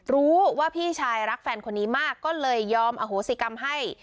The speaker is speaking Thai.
รู้ว่าพี่ชายรักแฟนคนนี้มากก็เลยยอมอโหสิกรรมให้